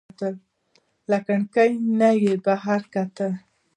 له کړکۍ نه یې بهر کتل.